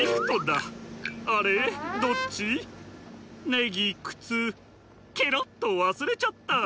ねぎくつけろっとわすれちゃった。